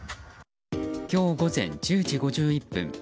今日午前１０時５１分